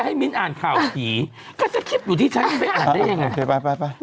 ให้มิ้นส์อ่านข่าวขี่ก็จะคิดอยู่ที่เตือนใบอ่านได้อย่างงี้